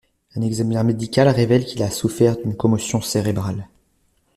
Un examen médical révèle qu'il a souffert d'une commotion cérébrale.